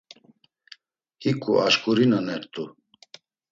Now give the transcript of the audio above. Hiǩu aşǩurinanert̆u.